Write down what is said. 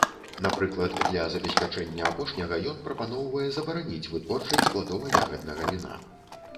Напрыклад, для забеспячэння апошняга ён прапаноўвае забараніць вытворчасць пладова-ягаднага віна.